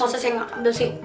boset sih gak ada sih